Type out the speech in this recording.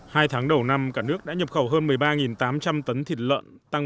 hai tháng đầu năm cả nước đã nhập khẩu hơn một mươi ba tám trăm linh tấn thịt lợn tăng